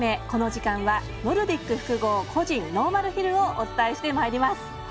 この時間はノルディック複合個人ノーマルヒルをお伝えしてまいります。